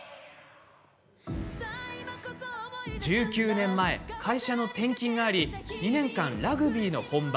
１９年前、会社の転勤があり２年間、ラグビーの本場